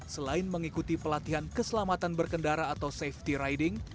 selain mengikuti pelatihan keselamatan berkendara atau safety riding